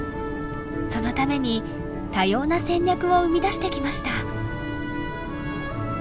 そのために多様な戦略を生み出してきました。